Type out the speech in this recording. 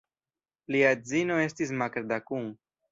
Lia edzino estis Magda Kun.